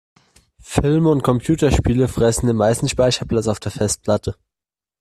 Filme und Computerspiele fressen den meisten Speicherplatz auf der Festplatte.